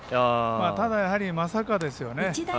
ただやはり、まさかですよね。